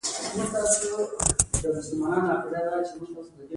چې د يوازېني مديريت په اډانه کې د دې تشکيل عايدات لوړ دي.